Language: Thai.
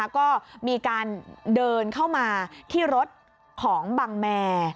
ก็มีการเดินเข้ามาที่รถของบังแมร์